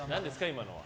今のは。